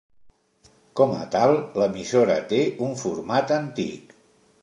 Com a tal, l'emissora té un format antic.